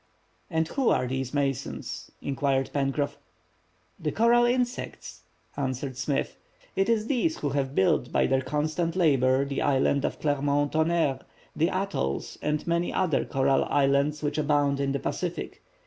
"And who are these masons?" inquired Pencroff. "The coral insects," answered Smith. "It is these who have built by their constant labor the Island of Clermont Tonnerre, the Atolls and many other coral islands which abound in the Pacific.